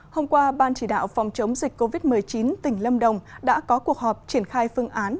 hôm qua ban chỉ đạo phòng chống dịch covid một mươi chín tỉnh lâm đồng đã có cuộc họp triển khai phương án